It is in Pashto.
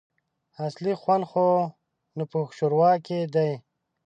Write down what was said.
اصلي خوند خو نو په ښوروا کي دی !